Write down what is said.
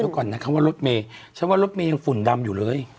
เดี๋ยวก่อนนะคำว่ารถเมย์ฉันว่ารถเมย์ยังฝุ่นดำอยู่เลย